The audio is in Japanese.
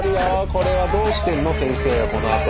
これはどうしてんの先生はこのあと。